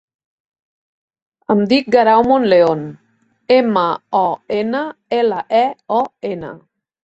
Em dic Guerau Monleon: ema, o, ena, ela, e, o, ena.